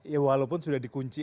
ya walaupun sudah di kunci